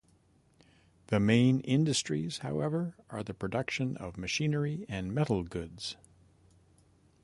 The main industries, however, are the production of machinery and metal goods.